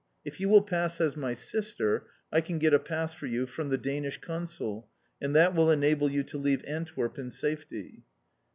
If you will pass as my sister I can get a pass for you from the Danish Consul, and that will enable you to leave Antwerp in safety."